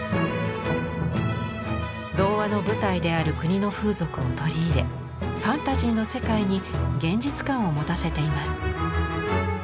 童話の舞台である国の風俗を取り入れファンタジーの世界に現実感を持たせています。